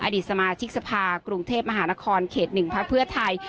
อดีตสมาชิกสภากรุงเทพมหานครเขต๑พักเพื่อไทย